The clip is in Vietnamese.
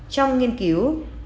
trong nghiên cứu